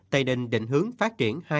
tây ninh định hướng phát triển